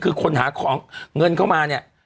คือคนหาของเงินเข้ามาเนี่ย